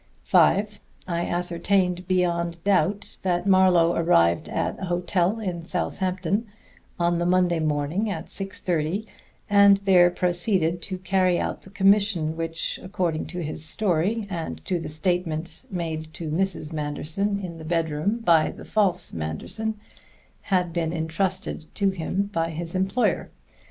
(5) I ascertained beyond doubt that Marlowe arrived at a hotel in Southampton on the Monday morning at six thirty, and there proceeded to carry out the commission which, according to his story, and to the statement made to Mrs. Manderson in the bedroom by the false Manderson, had been entrusted to him by his employer.